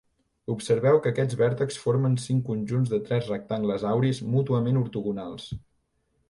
Observeu que aquests vèrtexs formen cinc conjunts de tres rectangles auris mútuament ortogonals.